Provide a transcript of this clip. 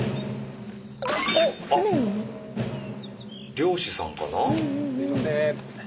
漁師さんかな？